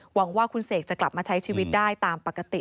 หวังว่าคุณเสกจะกลับมาใช้ชีวิตได้ตามปกติ